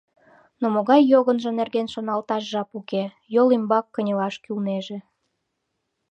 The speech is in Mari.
Но могай йогынжо нерген шоналташ жап уке: йол ӱмбак кынелаш кӱлнеже.